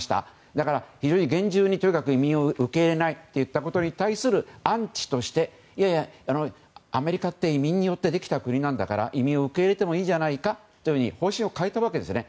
だから非常に厳重に移身を受け入れないといったことに対するアンチとして、いやいやアメリカって移民によってできた国なんだから移民を受け入れてもいいんじゃないかと方針を変えたわけなんですね。